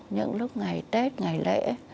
những lúc ngày tết ngày lễ